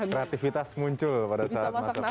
kreatifitas muncul pada saat masak